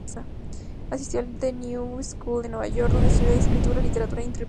Asistió a The New School, en Nueva York, donde estudió escritura, literatura e interpretación.